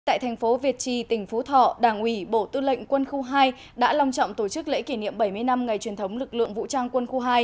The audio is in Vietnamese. tại thành phố việt trì tỉnh phú thọ đảng ủy bộ tư lệnh quân khu hai đã long trọng tổ chức lễ kỷ niệm bảy mươi năm ngày truyền thống lực lượng vũ trang quân khu hai